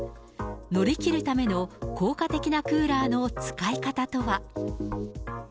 乗り切るための効果的なクーラーの使い方とは。